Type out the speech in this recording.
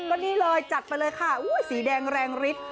ก็นี่เลยจัดไปเลยค่ะสีแดงแรงฤทธิ์